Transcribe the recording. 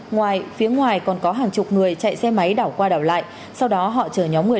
ngoài phía ngoài còn có hàng chục người chạy xe máy đảo qua đảo lại sau đó họ chở nhóm người